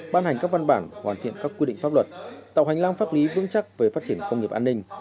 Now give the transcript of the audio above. ban hành các văn bản hoàn thiện các quy định pháp luật tạo hành lang pháp lý vững chắc về phát triển công nghiệp an ninh